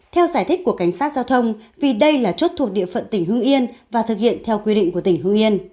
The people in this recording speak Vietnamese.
theo giải thích của cảnh sát giao thông vì đây là chốt thuộc địa phận tỉnh hương yên và thực hiện theo quy định của tỉnh hương yên